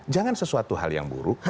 jangan sesuatu hal yang buruk